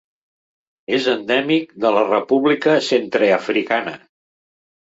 És endèmic de la República Centreafricana.